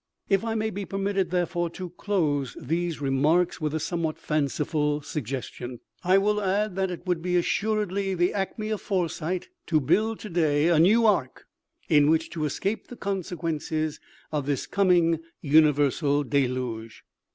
" If I may be permitted, therefore, to close these remarks with a somewhat fanciful suggestion, I will add that it would be assuredly the acme of foresight to build today a new ark, in which to escape the consequences of this coming universal deluge."